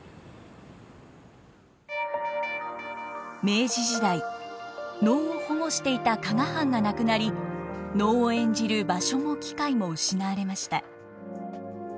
明治時代能を保護していた加賀藩がなくなり能を演じる場所も機会も失われました。